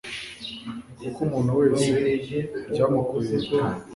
Koko umuntu wese byamukuye umutima